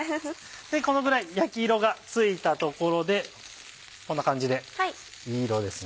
このぐらい焼き色がついたところでこんな感じでいい色ですね。